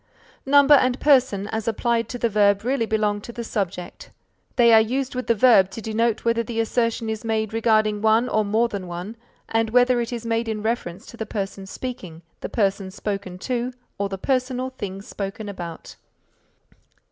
Number and person as applied to the verb really belong to the subject; they are used with the verb to denote whether the assertion is made regarding one or more than one and whether it is made in reference to the person speaking, the person spoken to or the person or thing spoken about.